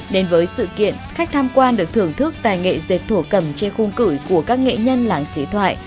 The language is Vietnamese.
đến với sự kiện khách tham quan được thưởng thức tài nghệ dệt thổ cầm trên khung cửi của các nghệ nhân làng sĩ thoại